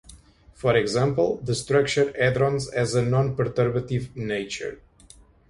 For example, the structure hadrons has a non-perturbative nature.